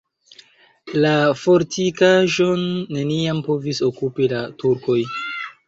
La fortikaĵon neniam povis okupi la turkoj.